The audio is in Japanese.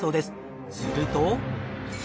すると。